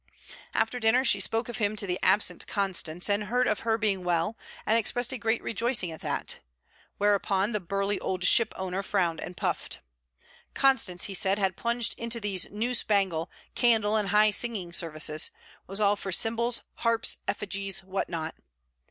After dinner she spoke to him of the absent Constance, and heard of her being well, and expressed a great rejoicing at that. Whereupon the burly old shipowner frowned and puffed. Constance, he said, had plunged into these new spangle, candle and high singing services; was all for symbols, harps, effigies, what not.